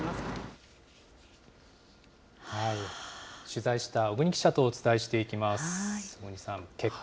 取材した小國記者とお伝えしていきます。